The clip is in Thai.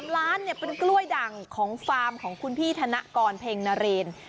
ล้านเป็นกล้วยดังของฟาร์มของคุณพี่ธนกรเพ็งนาเรน